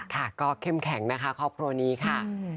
ค่ะก็เข้มแข็งนะคะครอบครัวนี้ค่ะ